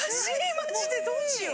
マジでどうしよう！